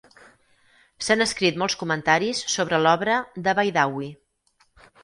S'han escrit molts comentaris sobre l'obra de Baidawi.